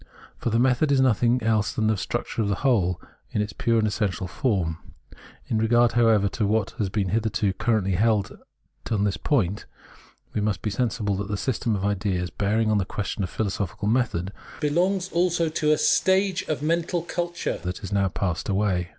For the method is nothing else than the structure of the whole in its pure and essential form. In regard, however, to what has been hitherto currently held on this point, we must be sensible that the system of ideas bearing on the question of philosophical method, belongs also to a stage of mental culture that has now passed away.